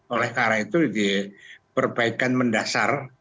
oleh karena itu diperbaikan mendasar